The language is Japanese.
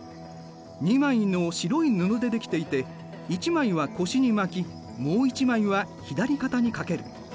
２枚の白い布で出来ていて一枚は腰に巻きもう一枚は左肩にかける。